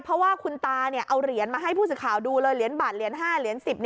เพราะว่าคุณตาเอาเหรียญมาให้ผู้สื่อข่าวดูเลยเหรียญบาทเหรียญ๕เหรียญ๑๐